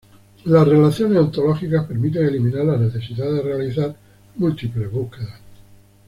Las relaciones ontológicas permiten eliminar la necesidad de realizar múltiples búsquedas.